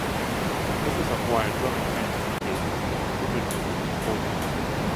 The process of wire drawing changes material properties due to cold working.